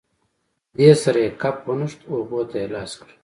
دې سره یې کپ ونښت، اوبو ته یې لاس کړ.